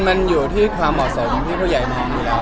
มันอยู่ที่ความเหมาะสมที่ผู้ใหญ่มองอยู่แล้ว